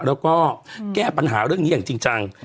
แล้วก็แก้ปัญหาเรื่องนี้อย่างจริงจัง